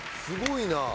すごいな。